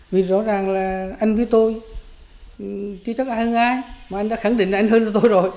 vì rõ ràng là anh với tôi chứ chắc ai hơn ai mà anh đã khẳng định là anh hơn tôi rồi